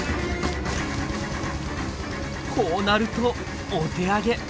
こうなるとお手上げ。